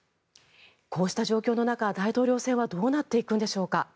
こうした状況の中、大統領選はどうなっていくのでしょうか。